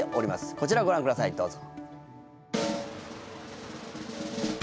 こちらをご覧くださいどうぞ。